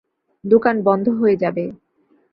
দোকান বন্ধ হয়ে যাবে!